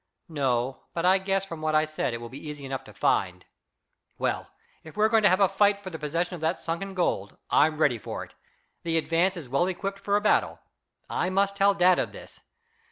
"No; but I guess from what I said it will be easy enough to find. Well, if we're going to have a fight for the possession of that sunken gold, I'm ready for it. The Advance is well equipped for a battle. I must tell dad of this.